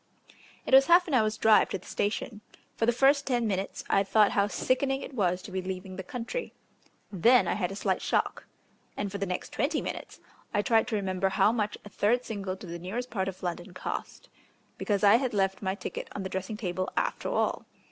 It was half an hour's drive to the station. For the first five minutes I thought how sickening it was to be leaving the country; then I had a slight shock; and for the next twenty five minutes I tried to remember how much a third single to the nearest part of London cost. Because I had left my ticket on the dressing table after all.